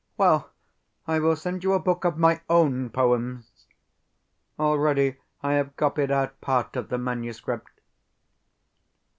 Well, I will send you a book of MY OWN poems. Already I have copied out part of the manuscript.